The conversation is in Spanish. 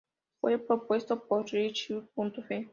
Fue propuesto por Rchb.f.